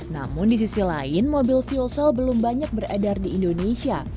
namun di sisi lain mobil fuel cell belum banyak beredar di indonesia